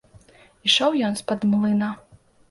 Ішоў ён з-пад млына.